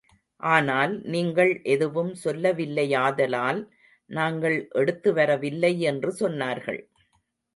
ஆனால் நீங்கள் எதுவும் சொல்லவில்லையாதலால் நாங்கள் எடுத்துவரவில்லை என்று சொன்னார்கள்.